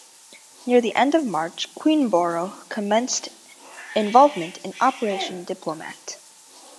Near the end of March, "Queenborough" commenced involvement in Operation Diplomat.